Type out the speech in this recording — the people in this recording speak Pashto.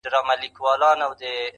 چي یې ته اوربل کي کښېږدې بیا تازه سي,